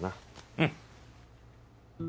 うん。